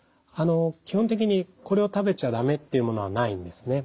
基本的にこれを食べちゃ駄目っていうものはないんですね。